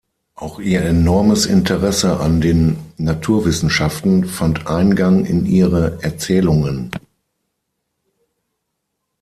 Auch ihr enormes Interesse an den Naturwissenschaften fand Eingang in ihre Erzählungen.